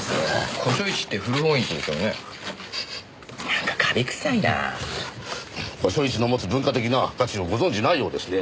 古書市の持つ文化的な価値をご存じないようですね。